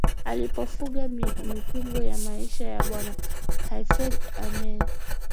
Alifunga pingu ya maisha na Bwana Hafidh Ameir